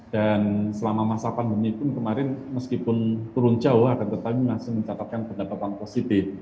dan selama masa pandemi pun kemarin meskipun turun jauh tetapi masih mencatatkan pendapatan positif